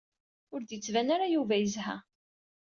Ur d-yettban ara Yuba yezha.